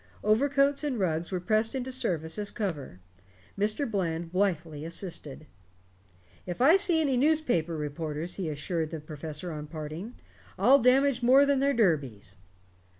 Overcoats and rugs were pressed into service as cover. Mr. Bland blithely assisted. "If I see any newspaper reporters," he assured the professor on parting, "I'll damage more than their derbies."